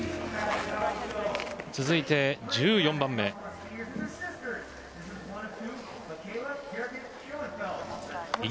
続いて１４番目です。